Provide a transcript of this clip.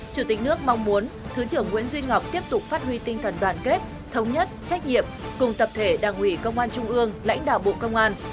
chủ tịch nước mong muốn thứ trưởng nguyễn duy ngọc tiếp tục phát huy tinh thần đoàn kết thống nhất trách nhiệm cùng tập thể đảng ủy công an trung ương lãnh đạo bộ công an